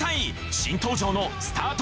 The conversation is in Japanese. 新登場のスタート